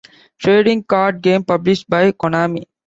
Trading Card Game published by Konami.